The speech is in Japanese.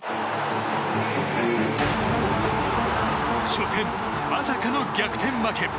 初戦、まさかの逆転負け。